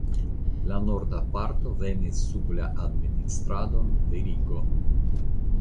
La norda parto venis sub la administradon de Rigo.